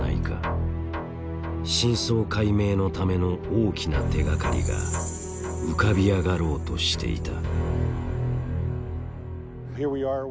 真相解明のための大きな手がかりが浮かび上がろうとしていた。